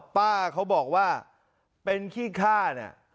ป้าเขาบอกว่าเป็นขี้ฆ่าเนี่ย